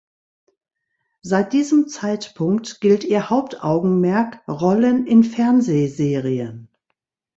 Seit diesem Zeitpunkt gilt ihr Hauptaugenmerk Rollen in Fernsehserien.